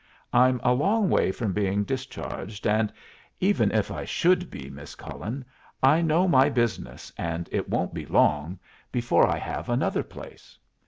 "I'm a long way from being discharged, and, even if I should be, Miss Cullen, I know my business, and it won't be long before I have another place."